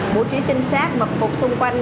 bố trí trinh sát mật phục xung quanh